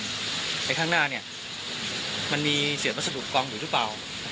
ข้างหน้ามันมีเศษวัสดุกองอยู่หรือเปล่า